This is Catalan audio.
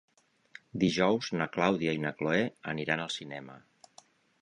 Dijous na Clàudia i na Cloè aniran al cinema.